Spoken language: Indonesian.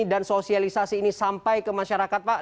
dan sosialisasi ini sampai ke masyarakat pak